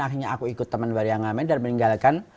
akhirnya aku ikut teman waria ngamen dan meninggalkan